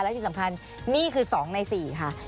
และที่สำคัญนี่คือ๒ใน๔ค่ะ